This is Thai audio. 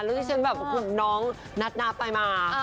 แล้วมีถึงคุณน้องนัดหน้าไปมา